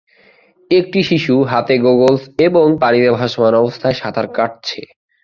একটি শিশু হাতে গগলস এবং পানিতে ভাসমান অবস্থায় সাঁতার কাটছে।